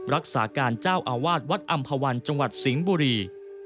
รักษาการเจ้าอาวาสวัดอำภาวันจังหวัดสิงห์บุรี